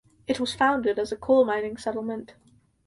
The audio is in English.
It was founded as a coal mining settlement.